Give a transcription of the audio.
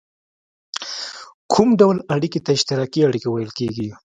کوم ډول اړیکې ته اشتراکي اړیکه ویل کیږي؟